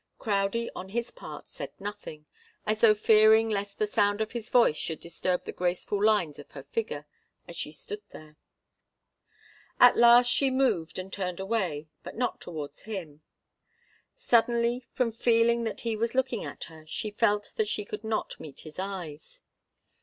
Crowdie, on his part, said nothing, as though fearing lest the sound of his voice should disturb the graceful lines of her figure as she stood there. At last she moved and turned away, but not towards him. Suddenly, from feeling that he was looking at her, she felt that she could not meet his eyes.